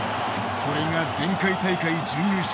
これが、前回大会準優勝